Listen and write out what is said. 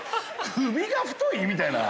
「首が太い」？みたいな。